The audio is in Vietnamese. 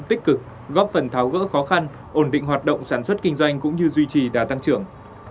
đánh giá cực góp phần tháo gỡ khó khăn ổn định hoạt động sản xuất kinh doanh cũng như duy trì đã tăng trưởng